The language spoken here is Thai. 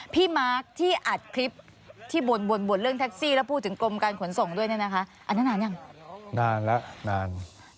พี่มาร์คปกติใช้รถทักซี่บ่อยหรอ